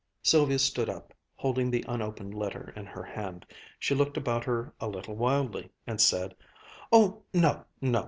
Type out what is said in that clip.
Sylvia stood up, holding the unopened letter in her hand. She looked about her a little wildly and said: "Oh no, no!